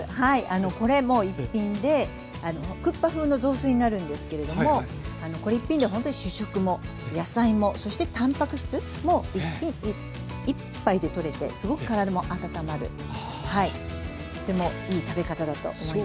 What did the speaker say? これもう一品でクッパ風の雑炊になるんですけれどもこれ一品でほんとに主食も野菜もそしてたんぱく質も１杯でとれてすごく体も温まるとてもいい食べ方だと思います。